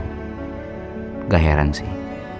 nggak heran sih